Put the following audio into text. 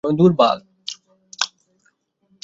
এই বন্দরটি বাংলাদেশ স্থলবন্দর কর্তৃপক্ষ দ্বারা পরিচালিত।